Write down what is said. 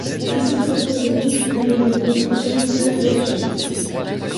Ainsi se trouvait constitué le groupe des cinq frères Rothschild.